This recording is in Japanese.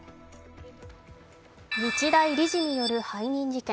日大理事による背任事件。